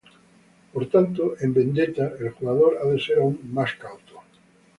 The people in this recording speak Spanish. Por tanto, en "Vendetta" el jugador ha de ser aún más cauto.